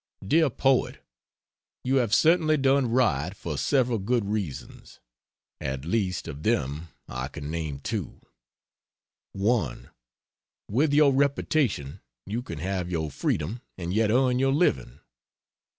DEAR POET, You have certainly done right for several good reasons; at least, of them, I can name two: 1. With your reputation you can have your freedom and yet earn your living.